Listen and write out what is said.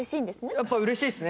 やっぱうれしいですね。